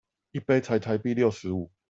一杯才台幣六十五